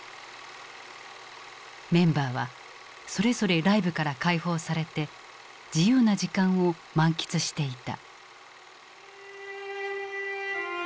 メンバーはそれぞれライブから解放されて自由な時間を満喫していた。